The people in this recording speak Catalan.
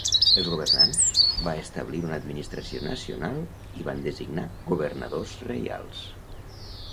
Els governants, va establir una administració nacional i van designar governadors reials.